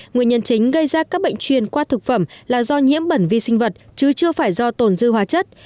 nguyên nhân chính gây ra các bệnh truyền qua thực phẩm là do nhiễm bẩn vi sinh vật chứ chưa phải do tồn dư hóa chất